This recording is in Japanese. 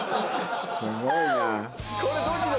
すごいな。